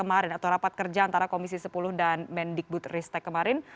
atau rapat kerja antara komisi sepuluh dan mendikbud ristek kemarin